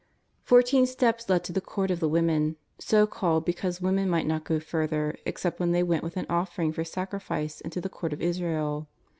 Fourteen steps led to the Court of the Women, so called because women might not go further except when they went with an offering for sacrifice into the Court of Israel.